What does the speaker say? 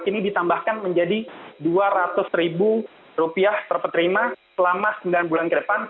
ini ditambahkan menjadi rp dua ratus per penerima selama sembilan bulan ke depan